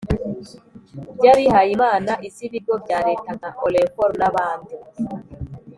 by’abihaye imana, iz’ibigo bya leta nka orinfor n’abandi.